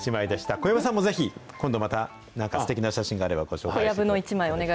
小籔さんもぜひ、今度また、なんかすてきな写真があればご紹介してください。